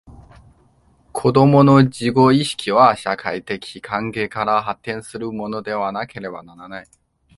子供の自己意識は、社会的関係から発展するものでなければならない。